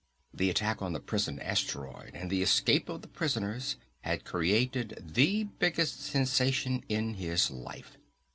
The attack on the prison asteroid and the escape of the prisoners had created the biggest sensation in his life.